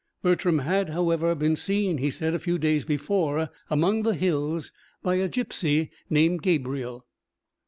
Bertram had, however, been seen, he said, a few days before, among the hills by a gipsy named Gabriel.